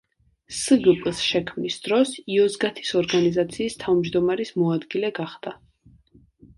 სგპ-ს შექმნის დროს იოზგათის ორგანიზაციის თავჯდომარის მოადგილე გახდა.